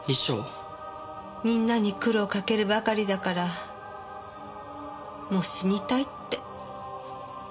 みんなに苦労をかけるばかりだからもう死にたいって。